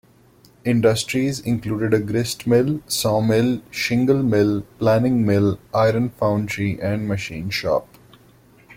Industries included a gristmill, sawmill, shingle mill, planing mill, iron foundry and machine shop.